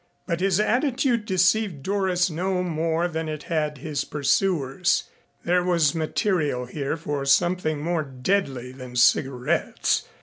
But his attitude deceived Doris no more than it had his pursuers. There was material here for something more deadly than cigarettes.